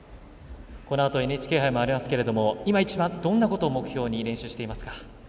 このあとＮＨＫ杯もありますけども今一番、どんなことを目標に練習していますか？